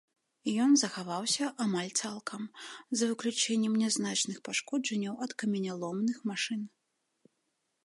Ён захаваўся амаль цалкам, за выключэннем нязначных пашкоджанняў ад каменяломных машын.